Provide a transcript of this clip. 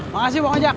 makasih pak ojak